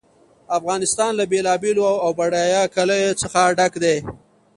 افغانستان له بېلابېلو او بډایه کلیو څخه ډک دی.